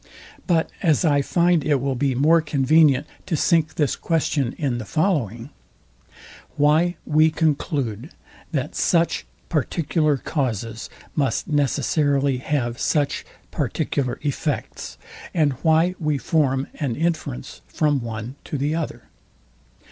But as I find it will be more convenient to sink this question in the following, Why we conclude, that such particular causes must necessarily have such particular erects, and why we form an inference from one to another?